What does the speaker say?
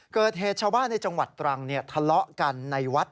เกิดเหตุชาวบ้านในจังหวัดตรังทะเลาะกันในวัด